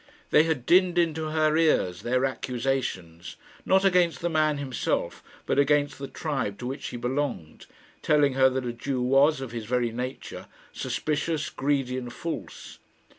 They had dinned into her ears their accusations, not against the man himself, but against the tribe to which he belonged, telling her that a Jew was, of his very nature, suspicious, greedy, and false.